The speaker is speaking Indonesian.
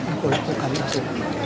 aku lakukan itu